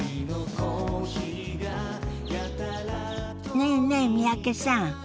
ねえねえ三宅さん。